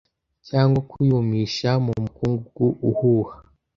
Cyangwa kuyumisha mu mukungugu uhuha.